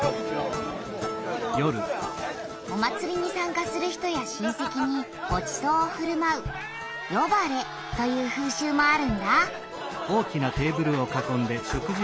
お祭りにさんかする人や親せきにごちそうをふるまうヨバレという風習もあるんだ。